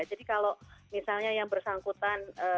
jadi kalau misalnya yang bersangkutan